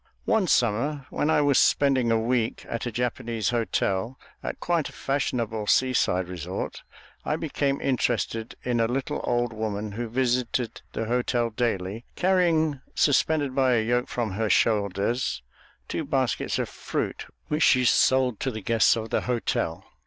One summer, when I was spending a week at a Japanese hotel at quite a fashionable seaside resort, I became interested in a little old woman who visited the hotel daily, carrying, suspended by a yoke from her shoulders, two baskets of fruit, which she sold to the guests of the hotel.